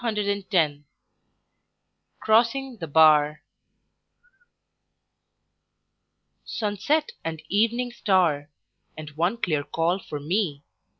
II, 11, 12 CROSSING THE BAR Sunset and evening star, And one clear call for me!